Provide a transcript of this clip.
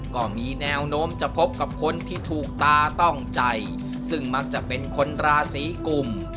ก็มีแนวโน้มจะพบกับคนที่ถูกตาต้องใจซึ่งมักจะเป็นคนราศีกลุ่ม